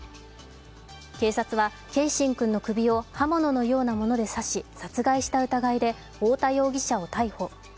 警察は、継真君の首を刃物のようなもので刺し、殺害した疑いで太田容疑者を逮捕。